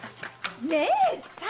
義姉さん！